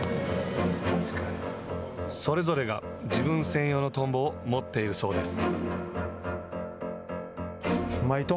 それぞれが自分専用のとんぼを持っているそうです。